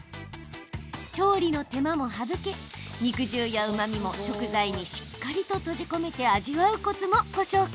調理の手間も省け肉汁やうまみも食材にしっかりと閉じ込めて味わうコツもご紹介。